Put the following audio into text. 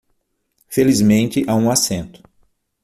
Felizmente, há um assento